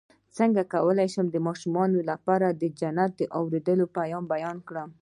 څنګه کولی شم د ماشومانو لپاره د جنت د اوریدلو بیان کړم